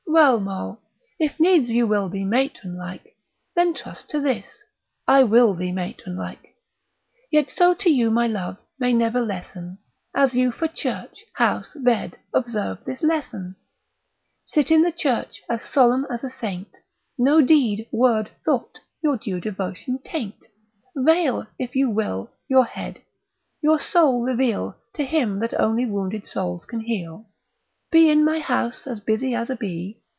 Well, Moll, if needs you will be matron like, Then trust to this, I will thee matron like: Yet so to you my love, may never lessen, As you for church, house, bed, observe this lesson: Sit in the church as solemn as a saint, No deed, word, thought, your due devotion taint: Veil, if you will, your head, your soul reveal To him that only wounded souls can heal: Be in my house as busy as a bee.